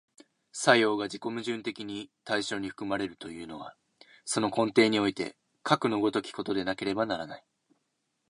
作用が自己矛盾的に対象に含まれるというのは、その根底においてかくの如きことでなければならない。